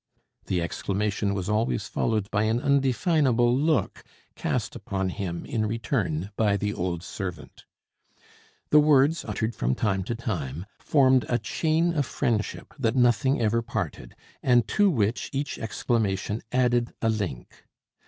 The exclamation was always followed by an undefinable look cast upon him in return by the old servant. The words, uttered from time to time, formed a chain of friendship that nothing ever parted, and to which each exclamation added a link.